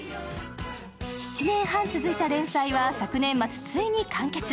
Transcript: ７年半続いた連載は昨年末、ついに完結。